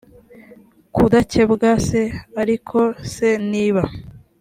kudakebwa c ariko se niba